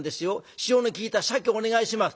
塩の利いたシャケをお願いします』。